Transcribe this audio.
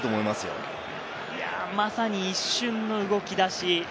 まさに一瞬の動きだし。